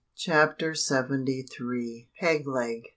CHAPTER SEVENTY THREE. PEG LEG.